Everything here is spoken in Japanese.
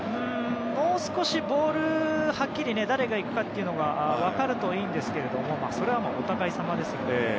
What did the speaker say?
もう少しボールにはっきり誰が行くのか分かるといいんですがそれは、お互い様ですので。